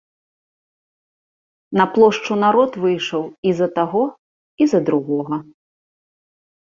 На плошчу народ выйшаў і за таго, і за другога.